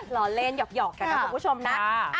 ล้อเล่นหยอกกันนะคุณผู้ชมนะ